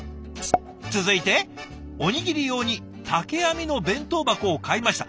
続いて「おにぎり用に竹編みの弁当箱を買いました」。